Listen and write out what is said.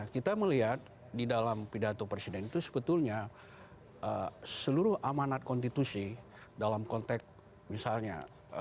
kita melihat di dalam pidato presiden itu sebetulnya seluruh amanat konstitusi dalam konteks misalnya